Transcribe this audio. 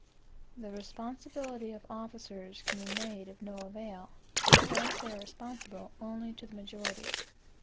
The responsibility of officers can be made of no avail, because they are responsible only to the majority.